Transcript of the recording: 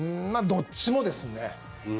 どっちもですね。